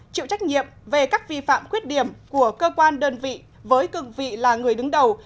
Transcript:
chịu trách nhiệm về các vi phạm khuyết điểm của cơ quan đơn vị với cương vị là người đứng đầu